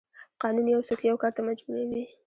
قانون یو څوک یو کار ته مجبوروي.